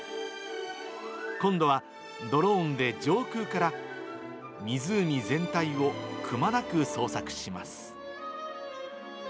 今度はドローンで、上空から、湖全体をくまなく捜索します。